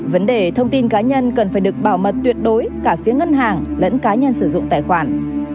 vấn đề thông tin cá nhân cần phải được bảo mật tuyệt đối cả phía ngân hàng lẫn cá nhân sử dụng tài khoản